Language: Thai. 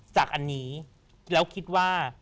จากอันนี้แล้วคิดว่า